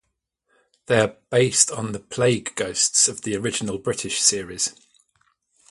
They are based on the Plague ghosts of the original British series.